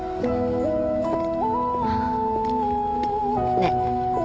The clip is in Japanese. ねえ。